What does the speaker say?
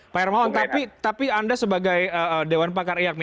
pak hermawan tapi anda sebagai dewan pakar iakmi